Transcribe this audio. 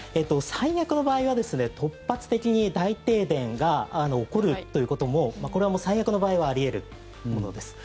最悪の場合は突発的に大停電が起こるということもこれは最悪の場合はあり得るものです。